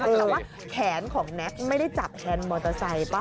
แต่ว่าแขนของแนคไม่ได้จับแห่นมอตอไซน์ส์ปะ